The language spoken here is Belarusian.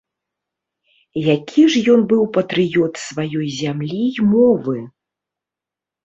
Які ж ён быў патрыёт сваёй зямлі і мовы!